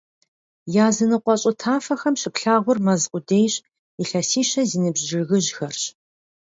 Языныкъуэ щӀы тафэхэм щыплъагъур мэз къудейщ, илъэсищэ зи ныбжь жыгыжьхэрщ.